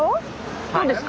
どうですか？